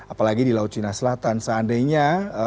apalagi di laut cina selatan seandainya